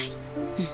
うん。